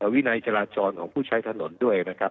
วินัยจราจรของผู้ใช้ถนนด้วยนะครับ